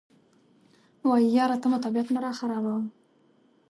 وایي یاره ته مو طبیعت مه راخرابوه.